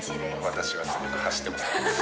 私はすごく走ってます。